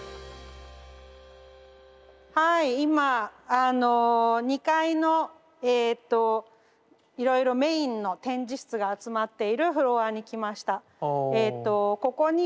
はい今２階のいろいろメインの展示室が集まっているフロアに来ました。